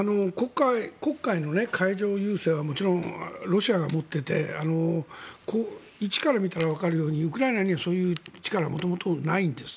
黒海の海上優勢はもちろんロシアが持っていて位置から見たらわかるようにウクライナにはそういう力は元々ないんです。